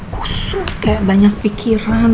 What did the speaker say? kusut kayak banyak pikiran